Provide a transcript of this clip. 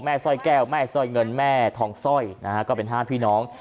สร้อยแก้วแม่สร้อยเงินแม่ทองสร้อยนะฮะก็เป็น๕พี่น้อง